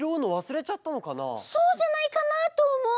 そうじゃないかなとおもう！